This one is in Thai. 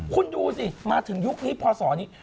คุณดูสิมาถึงยุคนี้พศนี้